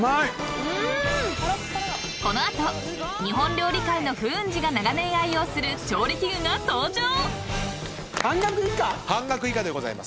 ［この後日本料理界の風雲児が長年愛用する調理器具が登場］